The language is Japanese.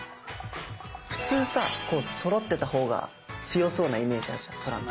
普通さこうそろってた方が強そうなイメージあるじゃんトランプ。